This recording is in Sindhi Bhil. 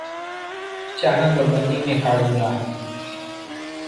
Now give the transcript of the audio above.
چآنه با ٻنيٚ ميݩ ڪآڙوهيݩ دآ۔